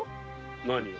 何を？